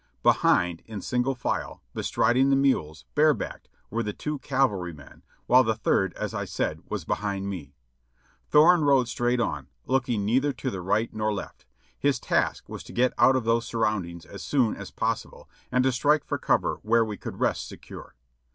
Behind, in single file, bestriding the mules, barebacked, were the two cavalrymen, while the third, as I said, was behind me. Thorne rode straight on, looking neither to the right nor left. His task was to get out of those surroundings as soon as pos sible, and to strike for cover where we could rest secure.